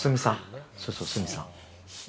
そうそう鷲見さん。